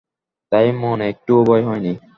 তাই মনে একটুও ভয় হয় নি।